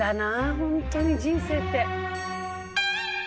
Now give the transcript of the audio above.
本当に人生って。